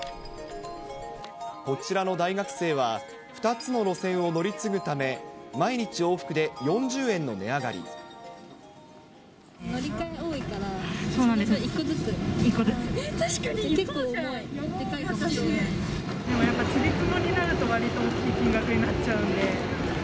こちらの大学生は２つの路線を乗り継ぐため、毎日往復で４０円の乗り換え多いから、１個ずつ、でもやっぱり、ちりつもになると、わりと大きい金額になっちゃうんで。